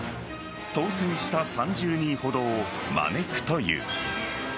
当選した３０人ほどを招くという。